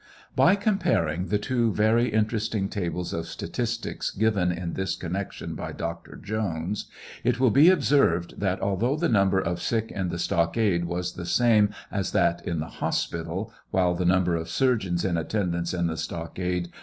By comparing two very interesting tables of statistics given in this connection by Dr. Jones, it will be observed that although the number of sick in the stock ade was the same as that in the hospital while the number of surgeons in attend ance in the stockade wa.